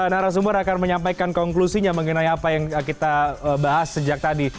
narasumber akan menyampaikan konklusinya mengenai apa yang kita bahas sejak tadi